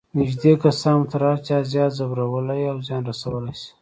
نږدې کسان مو تر هر چا زیات ځورولای او زیان رسولای شي.